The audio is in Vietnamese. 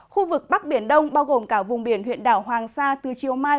khu vực bắc biển đông bao gồm cả vùng biển huyện đảo hoàng sa từ chiều mai